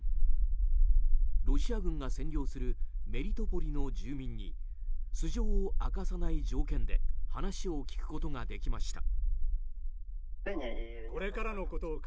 ロシア軍が占領するメリトポリの住民に素性を明かさない条件で話を聞くことができました。